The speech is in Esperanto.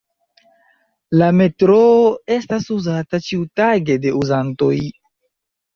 La metroo estas uzata ĉiutage de uzantoj.